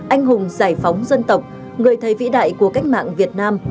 anh hùng giải phóng dân tộc người thầy vĩ đại của cách mạng việt nam